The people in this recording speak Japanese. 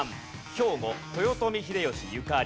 兵庫豊臣秀吉ゆかり。